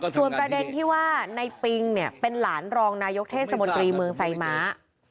ส่วนประเด็นที่ว่าในปิงเนี่ยเป็นหลานรองนายกเทศมนตรีเมืองไซม้า